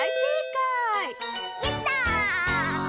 やった！